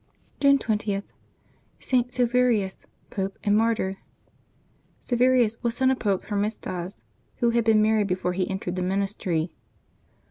June 20.— ST. SILVERIUS, Pope and Martyr. [iLVERius was son of Pope Hermisdas, who had been, married before he entered the ministry.